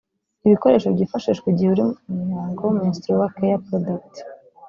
Ibikoresho byifashishwa igihe uri mu mihango (Menstrual care products)